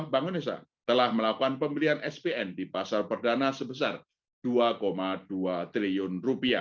bank indonesia telah melakukan pembelian spn di pasar perdana sebesar rp dua dua triliun